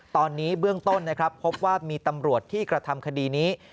ตอนนี้เบื้องต้นนะครับพบว่ามีตำรวจที่กระทำคดีนี้